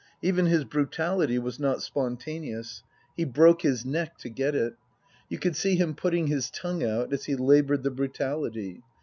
Even his brutality was not spon " taneous. He broke his neck to get it. You could see him putting his tongue out as he laboured the brutality.